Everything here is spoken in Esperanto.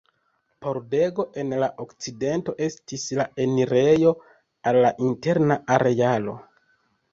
Pordego en la okcidento estis la enirejo al la interna arealo.